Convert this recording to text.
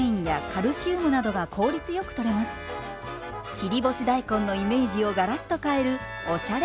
切り干し大根のイメージをガラッと変えるおしゃれ